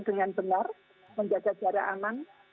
dengan benar menjaga jarak aman